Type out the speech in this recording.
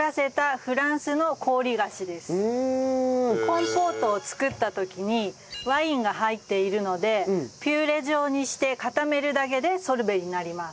コンポートを作った時にワインが入っているのでピューレ状にして固めるだけでソルベになります。